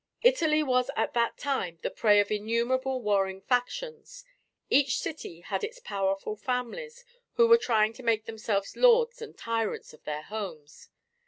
Italy was at that time the prey of innumerable warring factions. Each city had its powerful families who were trying to make themselves lords and tyrants of their homes.